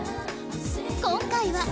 今回は